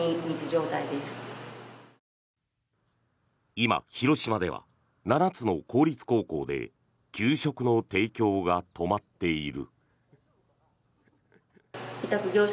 今、広島では７つの公立高校で給食の提供が止まっている。